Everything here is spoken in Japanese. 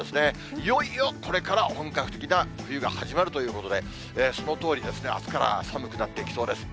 いよいよこれから本格的な冬が始まるということで、そのとおり、あすから寒くなってきそうです。